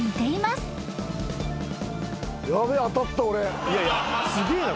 すげえな。